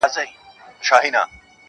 • د دښمن له فکر او مِکره ناپوهي ده -